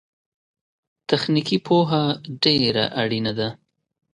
تخنيکي پوهه ډېره اړينه ده.